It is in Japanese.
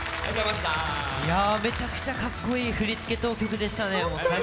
めちゃくちゃかっこいい振り付けと曲でしたね。